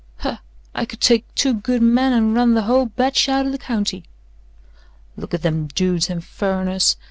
"Huh! I could take two good men an' run the whole batch out o' the county." "Look at them dudes and furriners.